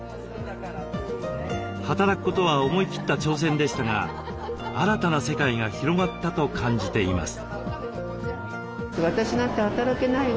働くことは思い切った挑戦でしたが新たな世界が広がったと感じています。